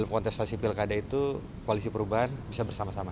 kontestasi pilkada itu koalisi perubahan bisa bersama sama